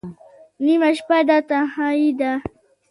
نیمه شپه ده تنهایی ده